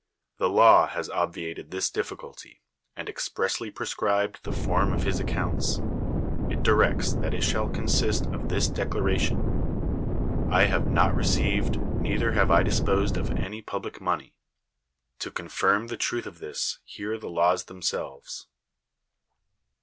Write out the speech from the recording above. The law has obviated this difficulty, and expressly prescribed the form of his ac counts. It directs that it shall consist of this declaration :" I have not received, neither have I disposed of any public money." To confirm the truth of this hear the laws themselves.